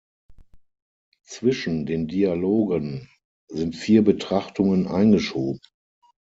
Zwischen den Dialogen sind vier Betrachtungen eingeschoben.